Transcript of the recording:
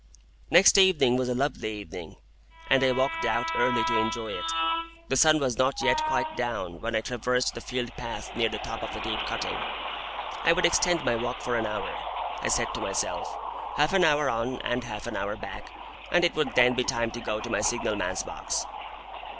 Next evening was a lovely evening, and I walked out early to enjoy it. The sun was not yet quite down when I traversed the field path near the top of the deep cutting. I would extend my walk for an hour, I said to myself, half an hour on and half an hour back, and it would then be time to go to my signal man's box.